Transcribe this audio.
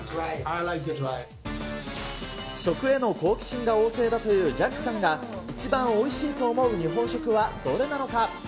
食への好奇心が旺盛だというジャックさんが、一番おいしいと思う日本食はどれなのか。